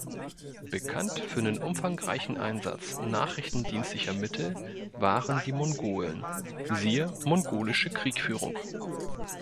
Bekannt für den umfangreichen Einsatz nachrichtendienstlicher Mittel waren die Mongolen, siehe Mongolische Kriegführung.